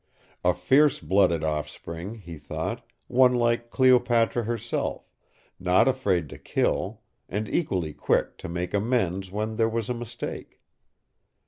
A fierce blooded offspring, he thought, one like Cleopatra herself, not afraid to kill and equally quick to make amends when there was a mistake.